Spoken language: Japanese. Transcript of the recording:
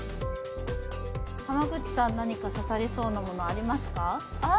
濱口さん何か刺さりそうなものありますか？